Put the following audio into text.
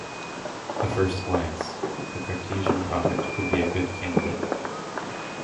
A first glance, the Cartesian product could be a good candidate.